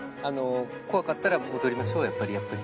怖かったら、戻りましょう、やっぱり。